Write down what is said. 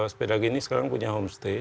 sepeda ging ini sekarang punya homestay